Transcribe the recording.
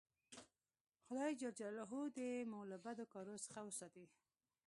خو خداى جل جلاله دي مو له بدو کارو څخه ساتي.